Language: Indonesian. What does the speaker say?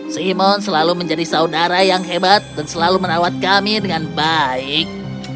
si imon selalu menjadi saudara yang hebat dan selalu merawat kami dengan baik